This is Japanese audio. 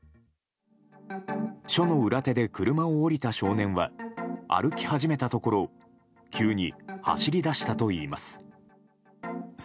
署の裏手で車を降りた少年は歩き始めたところ急に走り出したといいます。